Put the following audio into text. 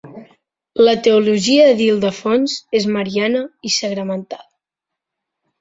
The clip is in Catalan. La teologia d'Ildefons és mariana i sagramental.